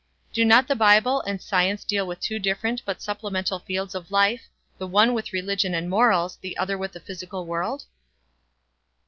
Do not the Bible and science deal with two different but supplemental fields of life: the one with religion and morals, the other with the physical world?